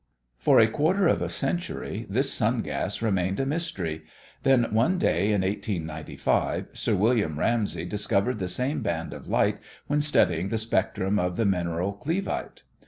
For a quarter of a century this sun gas remained a mystery; then one day, in 1895, Sir William Ramsay discovered the same band of light when studying the spectrum of the mineral cleveite.